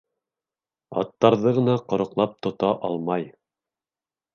Аттарҙы ғына ҡороҡлап тота алмай.